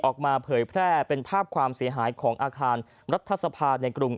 ออกมาเผยแพร่เป็นภาพความเสียหายของอาคารรัฐศาสตร์ฝ่าในกรุง